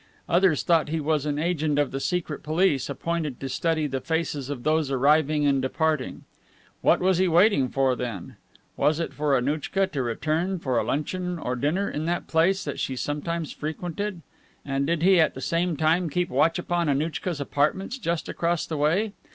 Others thought he was an agent of the Secret Police appointed to study the faces of those arriving and departing. What was he waiting for, then? Was it for Annouchka to return for a luncheon or dinner in that place that she sometimes frequented? And did he at the same time keep watch upon Annouchka's apartments just across the way?